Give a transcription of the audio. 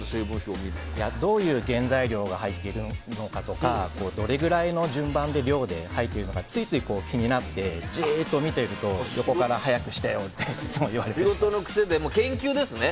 どういう原材料が入っているかとかどれぐらいの順番量で入っているのかついつい気になってじっと見ていると横から早くしてよって仕事の癖で、研究ですね。